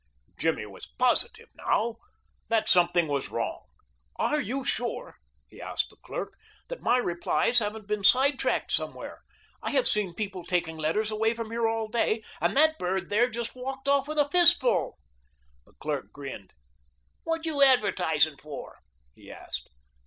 Jimmy was positive now that something was wrong. "Are you sure," he asked the clerk, "that my replies haven't been sidetracked somewhere? I have seen people taking letters away from here all day, and that bird there just walked off with a fistful." The clerk grinned. "What you advertising for?" he asked.